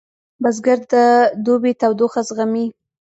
بزګر د دوبي تودوخه زغمي